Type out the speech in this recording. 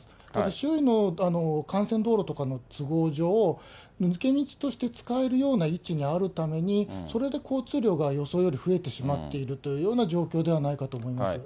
周囲の幹線道路とかの都合上、抜け道として使えるような位置にあるために、それで交通量が予想よりも増えてしまっているというような状況ではないかと思います。